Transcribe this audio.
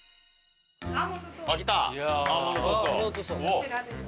こちらです。